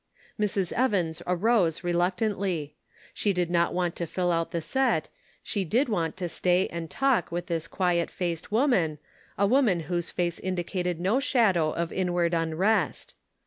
Mrs. Evans arose reluctantly. She did not want to fill out the set ; she did want to stay and talk with this quiet faced woman, a woman whose face indicated no shadow of inward un rest.